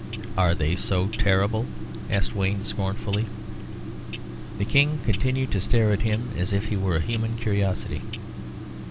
"Are they so terrible?" asked Wayne, scornfully. The King continued to stare at him as if he were a human curiosity.